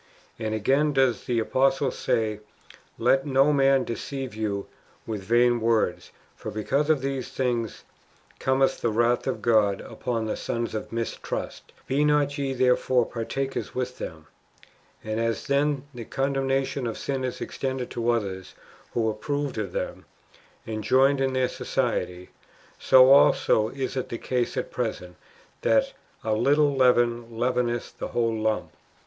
And again does the apostle say, " Let no man deceive you with vain words ; for because of these things cometh the wrath of God upon the sons of mistrust. Be not ye therefore partakers with them."^ And as then the condemnation of sinners extended to others who approved of them, and joined in their society ; so also is it the case at present, that "a little leaven leaveneth the whole lump."''